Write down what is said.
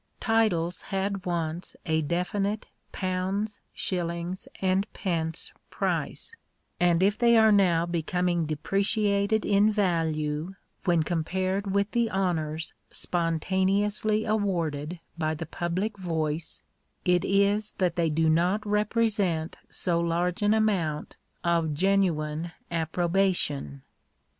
Titles had once a definite pounds, shillings and pence price ; and if they are now becoming depre ciated in value when compared with the honours spontaneously awarded by the public voice, it is that they do not represent so large an amount of genuine approbation.